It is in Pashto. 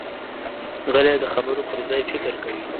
غلی، د خبرو پر ځای فکر کوي.